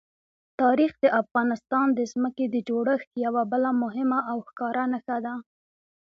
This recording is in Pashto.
تاریخ د افغانستان د ځمکې د جوړښت یوه بله مهمه او ښکاره نښه ده.